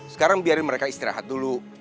sekarang biarin mereka istirahat dulu